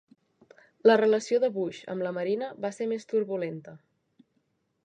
La relació de Bush amb la marina va ser més turbulenta.